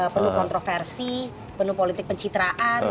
penuh kontroversi penuh politik pencitraan